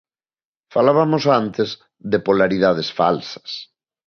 Falabamos antes de polaridades falsas.